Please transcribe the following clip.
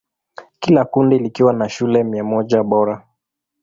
Kila kundi likiwa na shule mia moja bora.